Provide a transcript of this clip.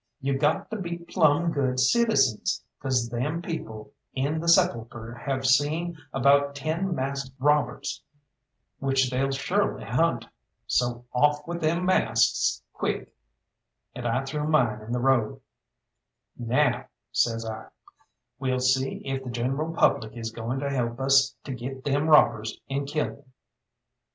You got to be plumb good citizens, 'cause them people in the 'Sepulchre' have seen about ten masked robbers, which they'll surely hunt. So off with them masks quick," and I threw mine in the road. "Now," says I, "we'll see if the general public is going to help us to get them robbers and kill them."